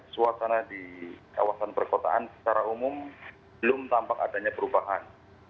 suasana di kawasan perkotaan secara umum belum tampak adanya perubahan